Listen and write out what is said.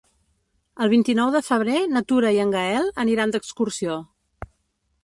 El vint-i-nou de febrer na Tura i en Gaël aniran d'excursió.